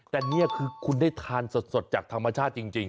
แต่นี่คือคุณได้ทานสดจากธรรมชาติจริง